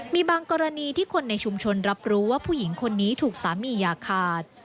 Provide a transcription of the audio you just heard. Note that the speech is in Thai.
มีบางกรณีที่คนในชุมชนรับรู้ว่าผู้หญิงคนนี้ถูกสามีอย่าขาด